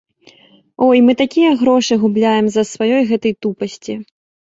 Ой, мы такія грошы губляем з-за сваёй гэтай тупасці.